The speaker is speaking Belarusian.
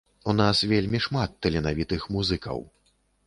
У нас вельмі шмат таленавітых музыкаў.